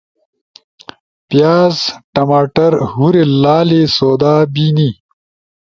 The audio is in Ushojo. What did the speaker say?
پیاز، ٹماٹڑ حوری لالی سؤدا بینی.